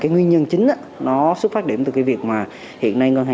nguyên nhân chính xuất phát từ việc hiện nay ngân hàng doanh nghiệp